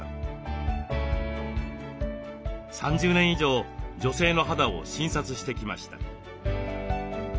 ３０年以上女性の肌を診察してきました。